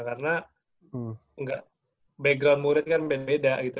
karena background murid kan beda beda gitu